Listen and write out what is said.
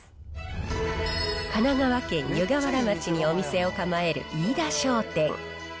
神奈川県湯河原町にお店を構える飯田商店。